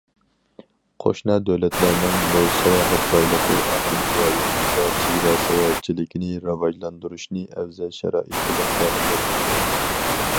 قوشنا دۆلەتلەرنىڭ مول ساياھەت بايلىقى ئاپتونوم رايونىمىزدا چېگرا ساياھەتچىلىكىنى راۋاجلاندۇرۇشنى ئەۋزەل شارائىت بىلەن تەمىنلەيدۇ.